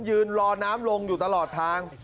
ยืนรอน้ำลงอยู่ตลอดทาง